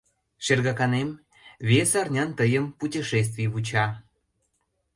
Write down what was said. — Шергаканем, вес арнян тыйым путешествий вуча.